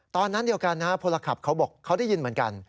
ตอนนั้นเดียวกันพลขับเขาบอกเขาได้ยินเหมือนกัน